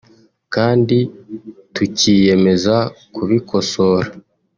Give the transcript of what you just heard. kandi tukiyemeza kubikosora